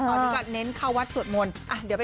ตอนนี้ก็เน้นเข้าวัดสวดมนต์